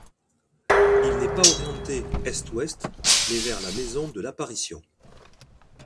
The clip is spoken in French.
Il n'est pas orienté est-ouest mais vers la maison de l'Apparition.